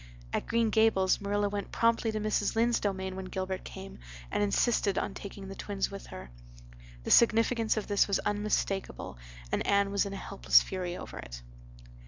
At Green Gables Marilla went promptly to Mrs. Lynde's domain when Gilbert came and insisted on taking the twins with her. The significance of this was unmistakable and Anne was in a helpless fury over it.